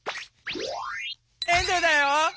エンドゥだよ！